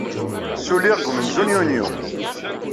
Ssulliɣ deg umenzu n Yunyu.